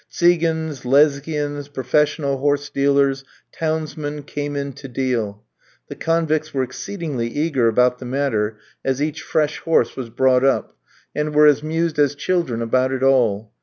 Tsigans, Lesghians, professional horse dealers, townsmen, came in to deal. The convicts were exceedingly eager about the matter as each fresh horse was brought up, and were as amused as children about it all.